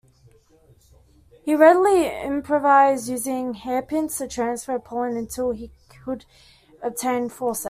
He readily improvised using hairpins to transfer pollen until he could obtain forceps.